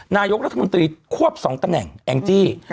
นายกรัฐมนตรีควบ๒ตำแหน่งแองจี้